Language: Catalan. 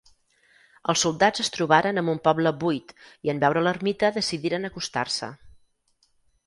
Els soldats es trobaren amb un poble buit, i en veure l'ermita decidiren acostar-se.